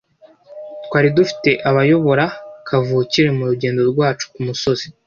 twari dufite abayobora kavukire murugendo rwacu kumusozi